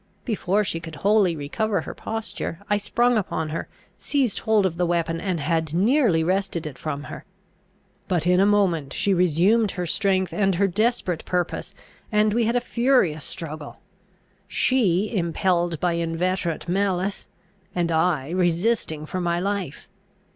Before she could wholly recover her posture, I sprung upon her, seized hold of the weapon, and had nearly wrested it from her. But in a moment she resumed her strength and her desperate purpose, and we had a furious struggle she impelled by inveterate malice, and I resisting for my life.